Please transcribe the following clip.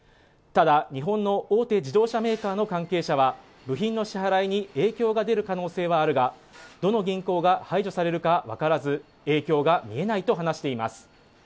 ただ日本の大手自動車メーカーの関係者は部品の支払いに影響が出る可能性はあるがどの銀行が排除されるか分からず影響が見えないと話しています